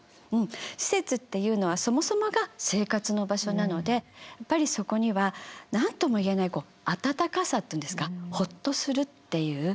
施設っていうのはそもそもが生活の場所なのでやっぱりそこには何とも言えない温かさっていうんですかホッとするっていう。